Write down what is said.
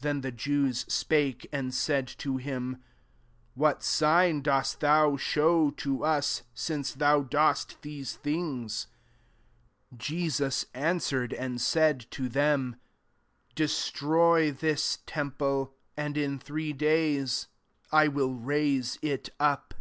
18 Then the Jews spake and said to him, " What sign dost thou show to us, since thou dost these things ?" 19 Jesus an swered and said to them, ^' De^ stroy this temple, and in three days I will raise it up.''